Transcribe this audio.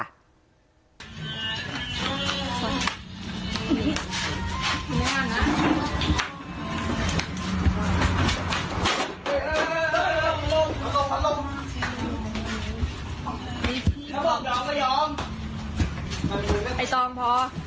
ไอ้ตอมพอ